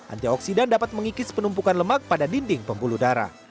antioksidan dapat mengikis penumpukan lemak pada dinding pembuluh darah